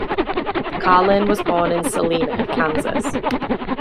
Carlin was born in Salina, Kansas.